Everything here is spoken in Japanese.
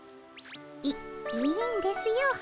いいいんですよ